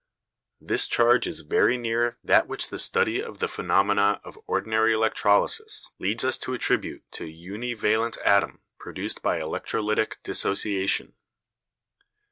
This charge is very near that which the study of the phenomena of ordinary electrolysis leads us to attribute to a univalent atom produced by electrolytic dissociation.